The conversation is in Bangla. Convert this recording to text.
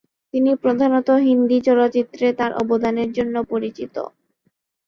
তিনি প্রধানত হিন্দি চলচ্চিত্রে তার অবদানের জন্য পরিচিত।